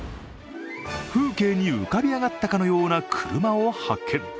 風景に浮かび上がったかのような車を発見！